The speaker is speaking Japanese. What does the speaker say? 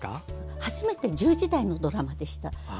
初めて１０時台のドラマでした。